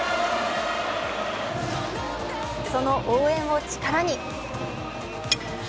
その応援を力に。